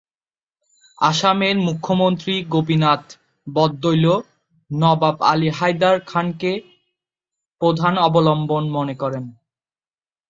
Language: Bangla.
আসামের মুখ্যমন্ত্রী গোপীনাথ বরদলৈ নবাব আলী হায়দার খানকে প্রধান অবলম্বন মনে করতেন।